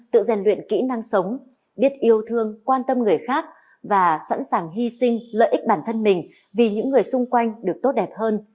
tự rèn luyện kỹ năng sống biết yêu thương quan tâm người khác và sẵn sàng hy sinh lợi ích bản thân mình vì những người xung quanh được tốt đẹp hơn